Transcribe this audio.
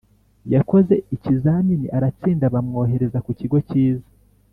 yakoze ikizamini aratsinda bamwohereza ku kigo kiza